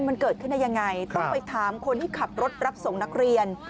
มันเกิดขึ้นได้ยังไงต้องไปถามคนที่ขับรถรับส่งนักเรียน